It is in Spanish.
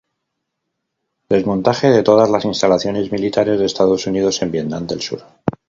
Desmontaje de todas las instalaciones militares de Estados Unidos en Vietnam del Sur.